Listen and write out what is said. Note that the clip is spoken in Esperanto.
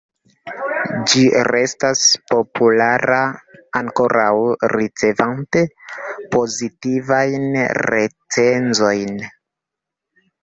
Ĝi restas populara, ankoraŭ ricevante pozitivajn recenzojn.